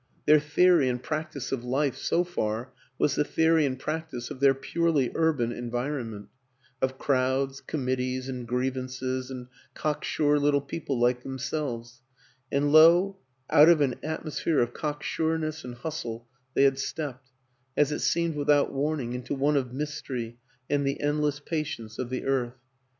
Their theory and practice of life, so far, was the theory and practice of their purely urban environment, of crowds, committees and grievances and cocksure little people like them selves and lo, out of an atmosphere of cock sureness and hustle they had stepped, as it seemed without warning, into one of mystery and the end less patience of the earth.